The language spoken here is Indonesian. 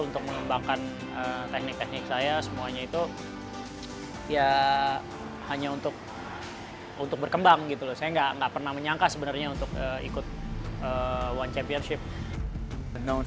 untuk mengembangkan teknik teknik saya semuanya itu ya hanya untuk berkembang gitu loh